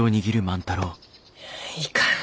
いかん。